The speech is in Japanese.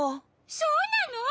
そうなの！？